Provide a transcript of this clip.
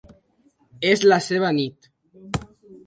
És la seva nit.